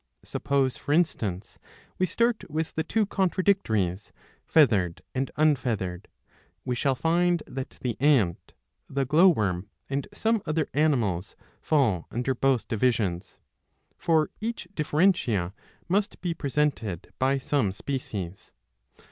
(Suppose for instance we start with the two contradictories. Feathered and Unfeathered ;^ we shall find that the ant, the glow worm and some other animals fall under both divisions.) For each differentia must be presented by some species.